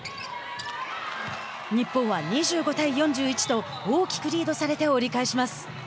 日本は２５対４１と大きくリードされて折り返します。